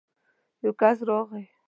يو کس راغی.